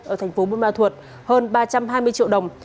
ở thành phố buôn ma thuột hơn ba trăm hai mươi triệu đồng